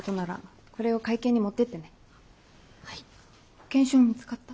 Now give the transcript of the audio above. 保険証見つかった？